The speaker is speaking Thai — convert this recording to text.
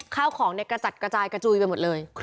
ข้าวของกระจัดกระจายกระจุยไปหมดเลย